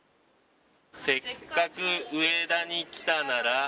「せっかく上田に来たなら」